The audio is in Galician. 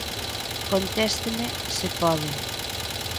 Contésteme, se pode.